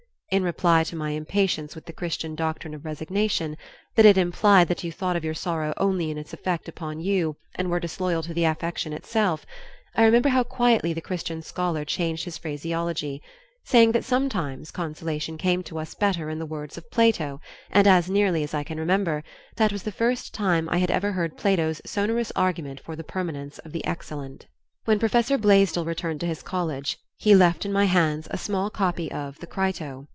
In reply to my impatience with the Christian doctrine of "resignation," that it implied that you thought of your sorrow only in its effect upon you and were disloyal to the affection itself, I remember how quietly the Christian scholar changed his phraseology, saying that sometimes consolation came to us better in the words of Plato, and, as nearly as I can remember, that was the first time I had ever heard Plato's sonorous argument for the permanence of the excellent. When Professor Blaisdell returned to his college, he left in my hands a small copy of "The Crito."